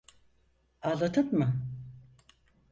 Ağladın mı?